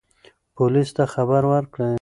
پولیس ته خبر ورکړئ.